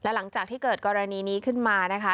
หลังจากที่เกิดกรณีนี้ขึ้นมานะคะ